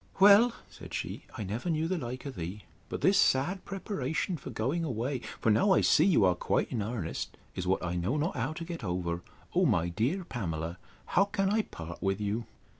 Well, said she, I never knew the like of thee. But this sad preparation for going away (for now I see you are quite in earnest) is what I know not how to get over. O my dear Pamela, how can I part with you!